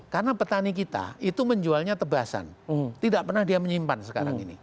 karena petani kita itu menjualnya tebasan tidak pernah dia menyimpan sekarang ini